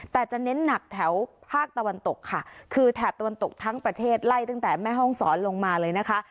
แต่จะเน้นหนักแถวภาคตะวันตกค่ะคือแถบตะวันตกทั้งประเทศไล่ตั้งแต่แม่ห้องศรลงมาเลยนะคะ